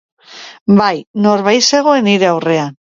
Bai, norbait zegoen nire aurrean.